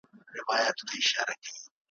مُلا را ووزي مرد میدان سي ,